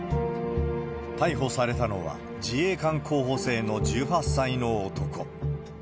逮捕されたのは、自衛官候補生の１８歳の男。